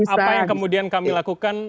apa yang kemudian kami lakukan